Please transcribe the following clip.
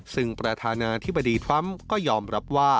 ซึ่งประธานาธิบดีทรัมป์ก็ยอมรับว่า